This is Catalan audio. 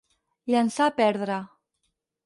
Llançar a perdre.